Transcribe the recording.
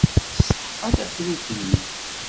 Tesseḥfa tafrut-nni.